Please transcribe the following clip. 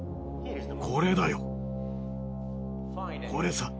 これだよ。これさ。